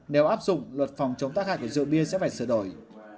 nếu áp dụng luật phòng chống tác hại của rượu bia sẽ phải sửa đổi